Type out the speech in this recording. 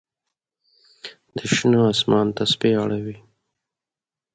د شنه آسمان تسپې اړوي